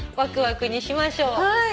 はい。